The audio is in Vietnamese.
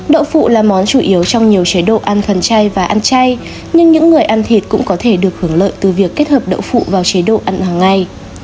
đậu phụ là món chủ yếu trong nhiều chế độ ăn thuần chay và ăn chay nhưng những người ăn thịt cũng có thể được hưởng lợi từ việc kết hợp đậu phụ vào chế độ ăn hàng ngày